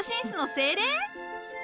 精霊？